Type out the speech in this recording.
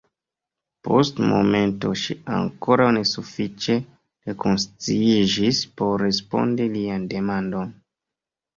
Post momento ŝi ankoraŭ ne sufiĉe rekonsciiĝis por respondi lian demandon.